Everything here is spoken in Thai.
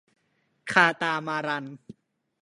คาตามารัน